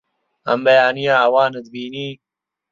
ئەم بەیانییە ئەوانت بینی؟